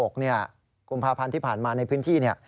กุมภาพันธ์ที่ผ่านมาในพื้นที่